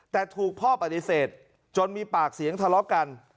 แต่ถูกพ่อปฏิเสธจนมีปากเสียงทะเลาะกัน